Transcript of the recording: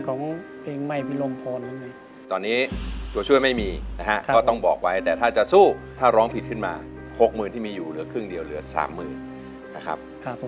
ตอนนี้ตัวช่วยไม่มีนะครับก็ต้องบอกไว้แต่ถ้าจะสู้ถ้าร้องผิดขึ้นมา๖๐๐๐๐ที่มีอยู่เหลือครึ่งเดียวเหลือ๓๐๐๐๐นะครับ